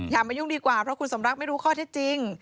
มายุ่งดีกว่าเพราะคุณสมรักไม่รู้ข้อเท็จจริง